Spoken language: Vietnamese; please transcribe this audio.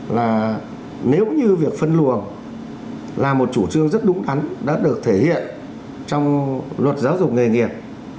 là nếu như việc phân luồng là một chủ trương rất đúng đắn đã được thể hiện trong luật giáo dục nghề nghiệp